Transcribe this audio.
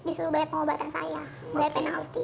disuruh bayar pengobatan saya